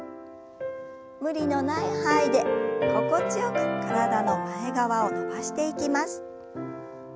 無理のない範囲で心地よく体の前側を伸ばしていきます。